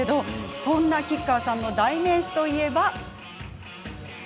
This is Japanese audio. そんな吉川さんの代名詞といえば。